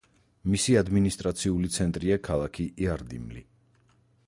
მისი ადმინისტრაციული ცენტრია ქალაქი იარდიმლი.